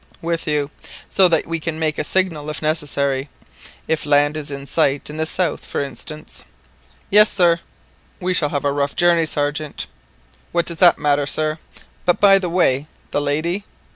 ] with you, so that we can make a signal if necessary—if land is in sight in the south, for instance" "Yes, sir." "We shall have a rough journey, Sergeant." "What does that matter, sir, but by the way—the lady?"